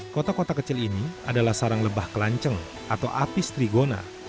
kota kota kecil ini adalah sarang lebah kelanceng atau apis trigona